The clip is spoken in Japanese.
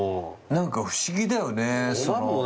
何か不思議だよね。